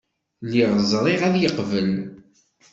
Lliɣ ẓriɣ ad yeqbel.